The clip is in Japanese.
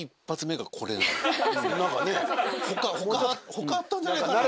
他あったんじゃないかな？って。